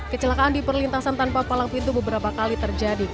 kecelakaan di perlintasan tanpa palang pintu beberapa kali terjadi